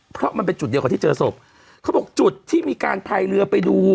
เพราะมันเป็นจุดเดียวกับที่เจอศพเขาบอกจุดที่มีการพายเรือไปดู